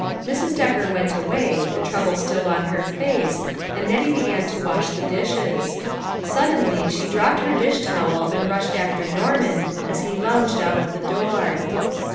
Mrs. Decker went away, the trouble still on her face, and Nettie began to wash the dishes. Suddenly, she dropped her dish towel and rushed after Norman as he lounged out of the door.